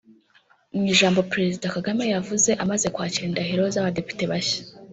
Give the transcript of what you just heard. Mu ijambo Perezida Kagame yavuze amaze kwakira indahiro z’abadepite bashya